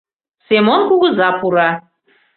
Семон кугыза пура.